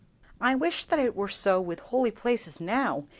"I wish that it were so with holy places now!"